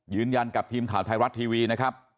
ยืนยันกับทีมข่าวไทยรัฐทีวีนะครับ